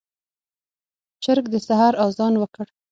چرګ د سحر اذان وکړ.